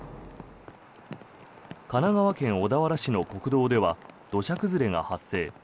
神奈川県小田原市の国道では土砂崩れが発生。